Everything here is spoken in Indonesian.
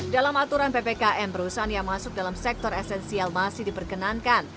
dalam aturan ppkm perusahaan yang masuk dalam sektor esensial masih diperkenankan